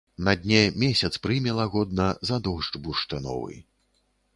На дне месяц прыме лагодна за дождж бурштыновы.